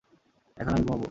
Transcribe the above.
এখন আমি ঘুমাবো।